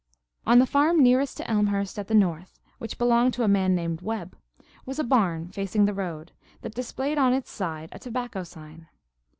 On the farm nearest to Elmhurst at the north, which belonged to a man named Webb, was a barn, facing the road, that displayed on its side a tobacco sign.